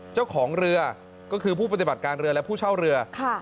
เจ้าของเรือก็คือผู้ปฏิบัติการเรือและผู้เช่าเรือ